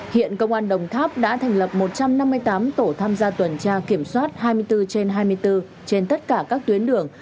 hiện công an đồng tháp đã thành lập một trăm năm mươi tám tổ tham gia tuần tra kiểm soát hai mươi bốn trên hai mươi bốn trên tất cả các tuyến đường